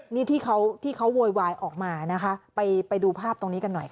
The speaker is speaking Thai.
นี่ที่เขาที่เขาโวยวายออกมานะคะไปดูภาพตรงนี้กันหน่อย